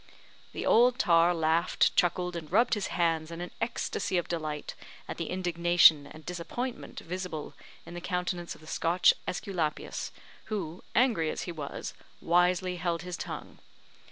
The old tar laughed, chuckled, and rubbed his hands in an ecstacy of delight at the indignation and disappointment visible in the countenance of the Scotch Esculapius, who, angry as he was, wisely held his tongue.